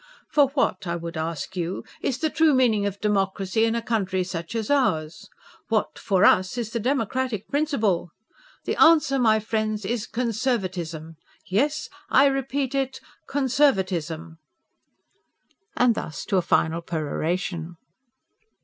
"For what, I would ask you, is the true meaning of democracy in a country such as ours? What is, for us, the democratic principle? The answer, my friends, is conservatism; yes, I repeat it conservatism!" ... and thus to a final peroration.